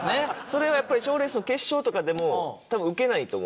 それはやっぱり賞レースの決勝とかでも多分ウケないと。